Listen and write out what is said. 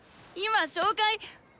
今紹介。